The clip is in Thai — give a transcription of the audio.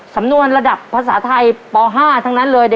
สำนวนระดับภาษาไทยป๕ทั้งนั้นเลย